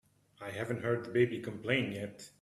I haven't heard the baby complain yet.